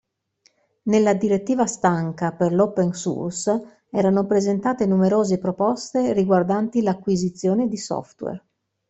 Nella Direttiva Stanca per l'open source erano presentate numerose proposte riguardanti l'acquisizione di software.